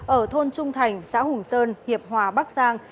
ở thôn trung thành xã hùng sơn hiệp hòa bắc giang